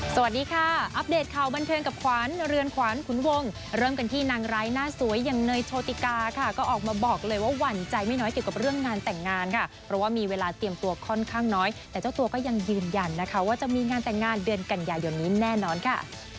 สวัสดีค่ะอัปเดตข่าวบันเทิงกับขวัญเรือนขวานขุนวงเริ่มกันที่นางร้ายหน้าสวยอย่างเนยโชติกาค่ะก็ออกมาบอกเลยว่าหวั่นใจไม่น้อยเกี่ยวกับเรื่องงานแต่งงานค่ะเพราะว่ามีเวลาเตรียมตัวค่อนข้างน้อยแต่เจ้าตัวก็ยังยืนยันนะคะว่าจะมีงานแต่งงานเดือนกันยายนนี้แน่นอนค่ะ